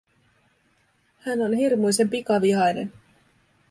Hän on hirmuisen pikavihainen.